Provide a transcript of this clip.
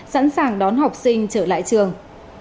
sẵn sàng đón học sinh trở lại trường